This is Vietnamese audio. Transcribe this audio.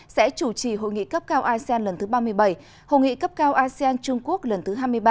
sẽ chủ trì hội nghị cấp cao asean lần thứ ba mươi bảy hội nghị cấp cao asean trung quốc lần thứ hai mươi ba